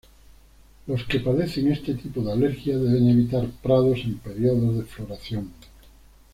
Los que padecen este tipo de alergia, deben evitar prados en período de floración.